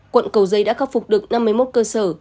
quận cầu giấy đã khắc phục được năm mươi một cơ sở